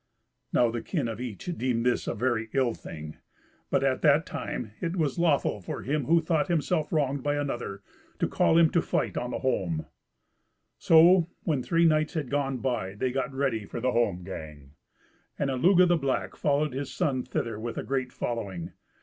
Now the kin of each deemed this a very ill thing. But, at that time it was lawful for him who thought himself wronged by another to call him to fight on the holm. So when three nights had gone by they got ready for the holmgang, and Illugi the Black followed his son thither with a great following.